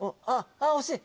ああ惜しい。